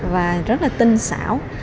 và rất là tinh xảo